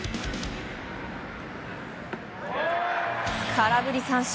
空振り三振。